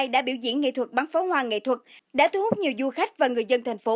đã biểu diễn nghệ thuật bắn pháo hoa nghệ thuật đã thu hút nhiều du khách và người dân thành phố